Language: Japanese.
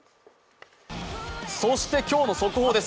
そして、今日の速報です。